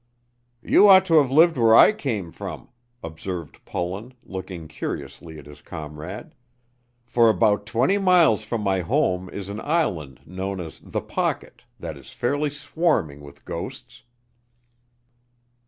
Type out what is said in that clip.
"You ought to have lived where I came from," observed Pullen, looking curiously at his comrade; "for about twenty miles from my home is an island known as 'The Pocket,' that is fairly swarming with ghosts."